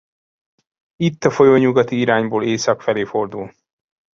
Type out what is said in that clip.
Itt a folyó nyugati irányból észak felé fordul.